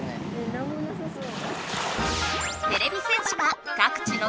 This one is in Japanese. なんもなさそう。